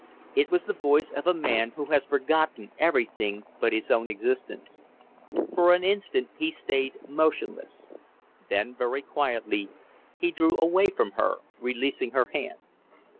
It was the voice of a man who has forgotten everything but his own existence. For an instant he stayed motionless; then very quietly he drew away from her, releasing her hands.